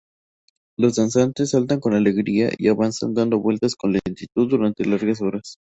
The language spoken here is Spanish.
Los danzantes saltan con energía y avanzan dando vueltas con lentitud durante largas horas.